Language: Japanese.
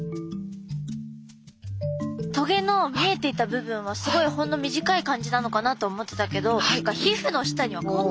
棘の見えていた部分はすごいほんの短い感じなのかなと思ってたけどす